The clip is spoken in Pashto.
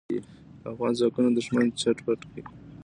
افغان ځواکونو دوښمن چټ پټ کړ.